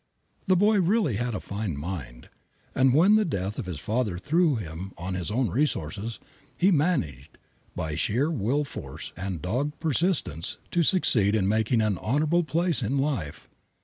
The boy really had a fine mind, and when the death of his father threw him on his own resources, he managed, by sheer will force and dogged persistence, to succeed in making an honorable place in life.